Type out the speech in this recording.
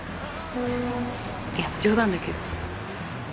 いや冗談だけど。